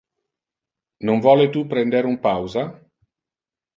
Non vole tu prender un pausa?